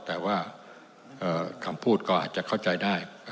แต่ว่าคำพูดก็อาจจะเข้าใจได้